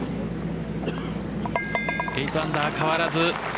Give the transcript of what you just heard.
８アンダー、変わらず。